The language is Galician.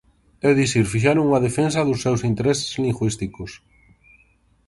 É dicir, fixeron unha defensa dos seus intereses lingüísticos.